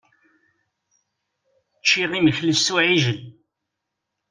Ččiɣ imekli s uɛijel.